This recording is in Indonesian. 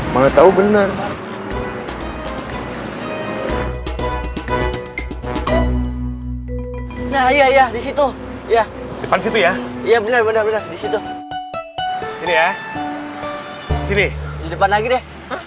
banget tahu benar nah iya di situ ya depan situ ya iya bener bener di situ ya sini depan lagi deh